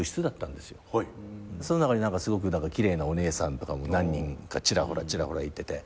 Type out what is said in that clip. その中にすごく奇麗なお姉さんとかも何人かちらほらいてて。